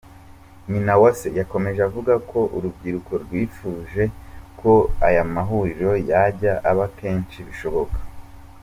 Nyinawase yakomeje avuga ko urubyiruko rwifuje ko aya mahuriro yajya aba kenshi bishoboka.